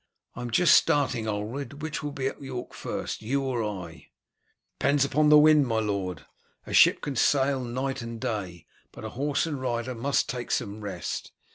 "I am just starting, Ulred. Which will be at York first, you or I?" "It depends upon the wind, my lord. A ship can sail night and day, but a horse and rider must take some rest.